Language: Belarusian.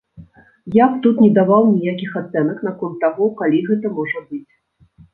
Я б тут не даваў ніякіх ацэнак наконт таго, калі гэта можа быць.